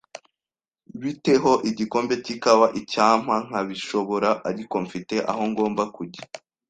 "Bite ho igikombe cy'ikawa?" "Icyampa nkabishobora, ariko mfite aho ngomba kujya."